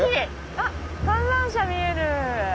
あ観覧車見える。